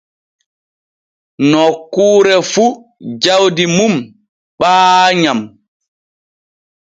Nokkuure fu jawdi mum ɓaayam.